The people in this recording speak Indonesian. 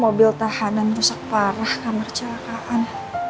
mobil tahanan rusak parah kamar celakaan